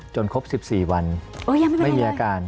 จนครบ๑๔วันไม่มีอาการอย่างนี้เลย